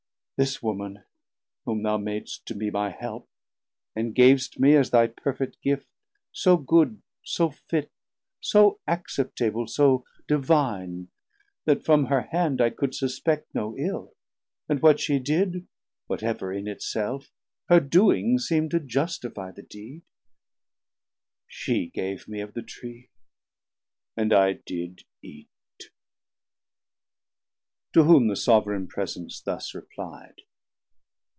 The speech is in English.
This Woman whom thou mad'st to be my help, And gav'st me as thy perfet gift, so good, So fit, so acceptable, so Divine, That from her hand I could suspect no ill, 140 And what she did, whatever in it self, Her doing seem'd to justifie the deed; Shee gave me of the Tree, and I did eate. To whom the sovran Presence thus repli'd.